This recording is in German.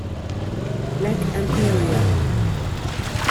Black Emperor.